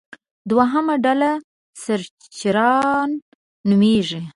دوهمه ډله سرچران نومېږي.